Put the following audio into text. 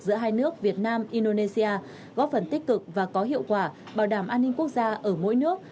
giữa hai nước việt nam indonesia góp phần tích cực và có hiệu quả bảo đảm an ninh quốc gia ở mỗi nước